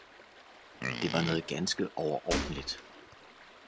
Det var noget ganske overordentligt